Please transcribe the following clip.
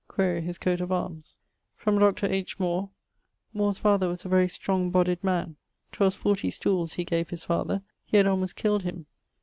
Quaere his coat of arms. From Dr. H. More: More's father was a very strong bodyed man. 'Twas forty stooles he gave his father; he had almost killed him.